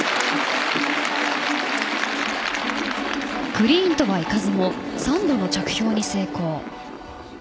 クリーンとはいかずも３度の着氷に成功。